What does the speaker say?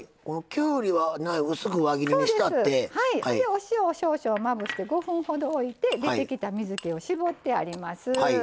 お塩を少々まぶして５分ほど置いて出てきた水けを絞ってあります。